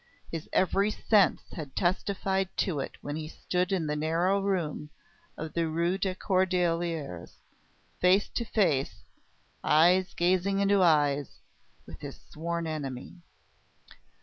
His every sense had testified to it when he stood in the narrow room of the Rue des Cordeliers, face to face eyes gazing into eyes with his sworn enemy.